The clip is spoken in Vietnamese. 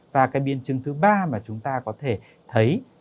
và cái biến chứng thứ ba mà chúng ta có thể thấy